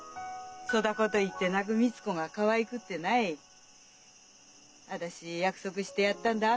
そだごと言って泣く光子がかわいくってない私約束してやったんだ。